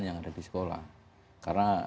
yang ada di sekolah karena